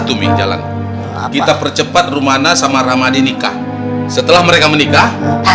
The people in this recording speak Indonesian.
tuming jalan kita percepat rumana sama ramadi nikah setelah mereka menikah